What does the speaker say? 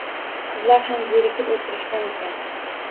Qizlar ham zerikib o`tirishgan ekan